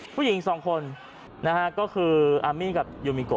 ผู้หญิงสองคนนะฮะก็คืออามี่กับยูมิโก